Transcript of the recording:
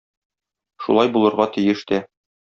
Шулай булырга тиеш тә.